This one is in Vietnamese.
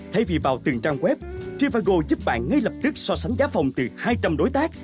thay vì vào từng trang web trivago giúp bạn ngay lập tức so sánh giá phòng từ hai trăm linh đối tác